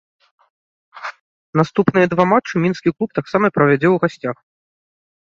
Наступныя два матчы мінскі клуб таксама правядзе ў гасцях.